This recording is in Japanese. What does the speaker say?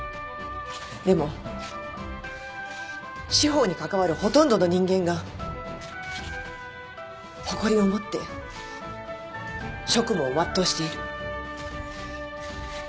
でも司法に関わるほとんどの人間が誇りを持って職務を全うしている。